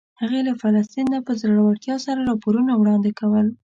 هغې له فلسطین نه په زړورتیا سره راپورونه وړاندې کول.